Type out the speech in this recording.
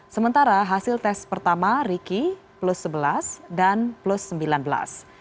sementara hasil tes pertama riki plus sebelas dan plus sembilan belas